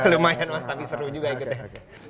lumayan mas tapi seru juga ikutnya